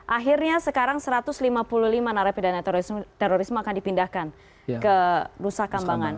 akhirnya sekarang satu ratus lima puluh lima narapidana terorisme akan dipindahkan ke nusa kambangan